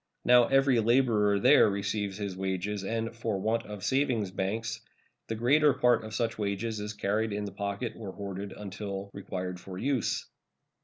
Now every laborer there receives his wages, and, for want of savings banks, the greater part of such wages is carried in the pocket or hoarded until required for use.